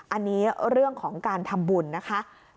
อันนี้เรื่องของการทำบุญนะคะ